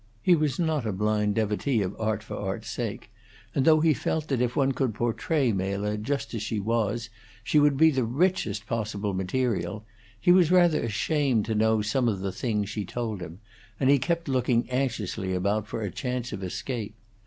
He was not a blind devotee of art for art's sake, and though he felt that if one could portray Mela just as she was she would be the richest possible material, he was rather ashamed to know some of the things she told him; and he kept looking anxiously about for a chance of escape.